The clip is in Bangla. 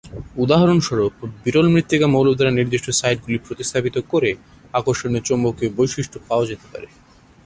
উদাহরণস্বরূপ, বিরল মৃত্তিকা মৌল দ্বারা নির্দিষ্ট সাইটগুলি প্রতিস্থাপিত করে আকর্ষণীয় চৌম্বকীয় বৈশিষ্ট্য পাওয়া যেতে পারে।